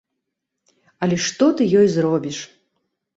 Але што ты ёй зробіш!